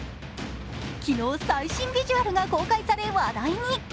昨日、最新ビジュアルが公開され話題に。